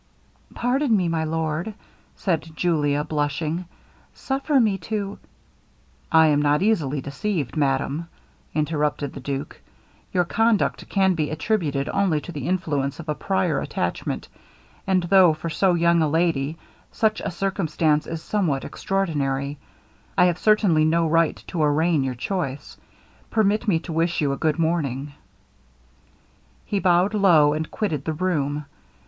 'Pardon me, my lord,' said Julia, blushing, 'suffer me to' 'I am not easily deceived, madam,' interrupted the duke, 'your conduct can be attributed only to the influence of a prior attachment; and though for so young a lady, such a circumstance is somewhat extraordinary, I have certainly no right to arraign your choice. Permit me to wish you a good morning.' He bowed low, and quitted the room.